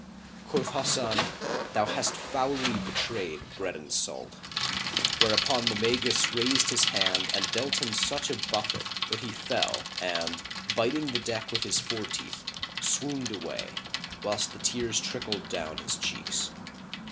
Quoth Hasan, "Thou hast foully betrayed bread and salt"; whereupon the Magus raised his hand and dealt him such a buffet that he fell and, biting the deck with his fore teeth, swooned away, whilst the tears trickled down his cheeks.